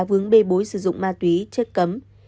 vướng bê bối sử dụng ma túy chất cấm